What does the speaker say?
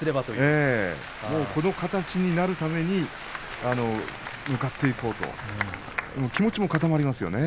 この形になるために向かっていこうと気持ちもかたまりますね。